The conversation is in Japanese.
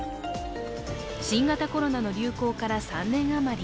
新型コロナの流行から３年余り。